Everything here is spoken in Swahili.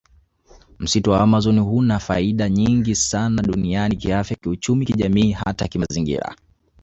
Msitu wa amazon huna faida nyingi sana duniani kiafya kiuchumi kijamii hata kimazingira